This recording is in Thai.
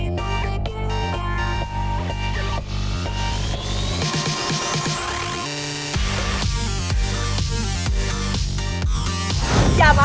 ไม่อยาก